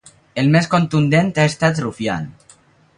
El més contundent ha estat Rufián.